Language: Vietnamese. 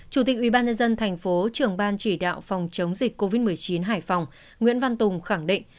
chủ tịch ubnd thành phố trưởng ban chỉ đạo phòng chống dịch covid một mươi chín hải phòng nguyễn văn tùng khẳng định